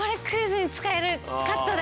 カットだ。